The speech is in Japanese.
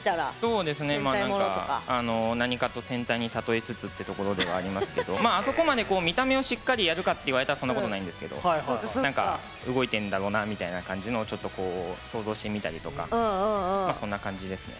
そうですねまあ何か何かと戦隊に例えつつってところではありますけどあそこまで見た目をしっかりやるかって言われたらそんなことないんですけど動いてんだろうなみたいな感じのちょっとこう想像してみたりとかまあそんな感じですね。